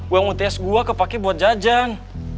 uang uts gue kepake buat jajang